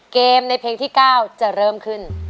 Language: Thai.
เกมในเพลงที่๙จะเริ่มขึ้น